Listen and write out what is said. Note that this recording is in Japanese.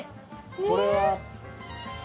これは。